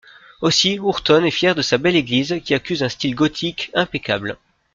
Aussi Ourton est fière de sa belle église qui accuse un style gothique impeccable.